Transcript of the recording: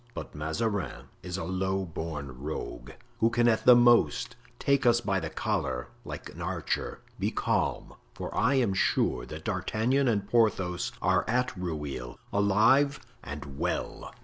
But Mazarin is a low born rogue, who can at the most take us by the collar, like an archer. Be calm—for I am sure that D'Artagnan and Porthos are at Rueil, alive and well."